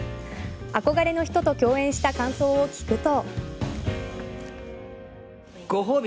憧れの人と共演した感想を聞くと。